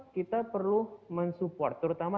kita perlu mensupport terutama